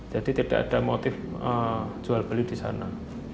jadi tidak ada motif jual beli disana